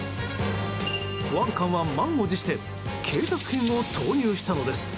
保安官を満を持して警察犬を投入したのです。